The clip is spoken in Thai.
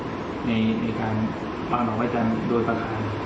ที่นี่เราก็จะทำพิธีในการวางหล่อไว้จันทร์โดยประการ